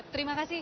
terima kasih bapak